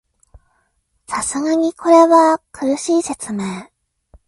さすがにこれは苦しい説明